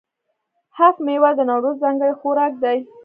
هفت میوه د نوروز ځانګړی خوراک دی.